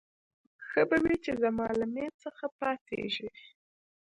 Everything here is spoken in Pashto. ښه به وي چې زما له مېز څخه پاڅېږې.